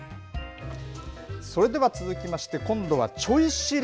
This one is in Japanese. それでは続きまして、今度はちょい知り！